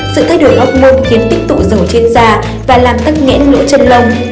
sự thay đổi hốc môn khiến tích tụ dầu trên da và làm tắc nghẽn lũ chân lông